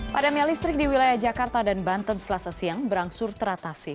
padamnya listrik di wilayah jakarta dan banten selasa siang berangsur teratasi